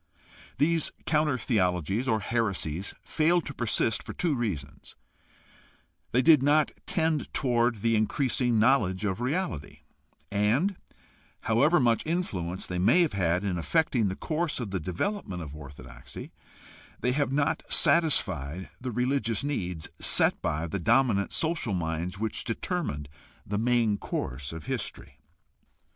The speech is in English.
These counter theologies or heresies failed to persist for two reasons: they did not tend toward the increasing knowledge of reality; and, however much influence they may have had in affecting the course of the development of orthodoxy, they have not satisfied the religious needs set by the dominant social minds which determined the main course of history.